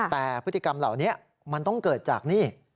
แต่พฤติกรรมเหล่านี้มันต้องเกิดจากนี่